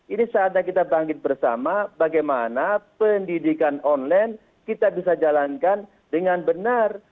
ini saatnya kita bangkit bersama bagaimana pendidikan online kita bisa jalankan dengan benar